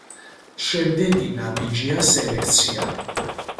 შემდეგი ნაბიჯია სელექცია.